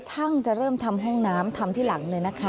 ช่างจะเริ่มทำห้องน้ำทำที่หลังเลยนะคะ